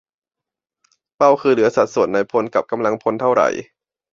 - เป้าคือเหลือสัดส่วนนายพลกับกำลังพลเท่าไหร่